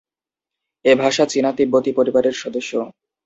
এ ভাষা চীনা-তিব্বতি পরিবারের সদস্য।